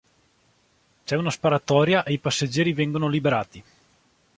C'è una sparatoria e i passeggeri vengono liberati.